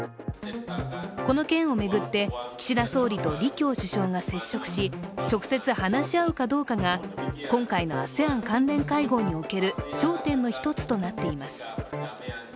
この件を巡って、岸田総理と李強首相が接触し、直接話し合うかどうかが今回のＡＳＥＡＮ関連会合における焦点の一つとなっています。